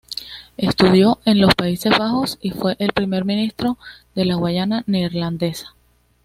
Estudió en los Países Bajos y fue primer ministro de la Guayana Neerlandesa.